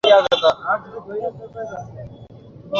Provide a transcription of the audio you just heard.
কাছাকাছি থাকায় যেতে দিয়েছি।